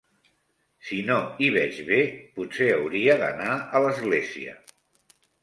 Si no hi veig bé, potser hauria d'anar a l'església.